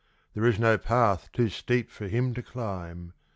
There is no path too steep for him to climb.